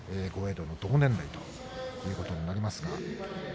道も同年代ということになります。